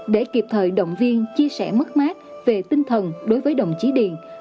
để kịp thời động viên chia sẻ mất mát về tinh thần đối với đồng chí điện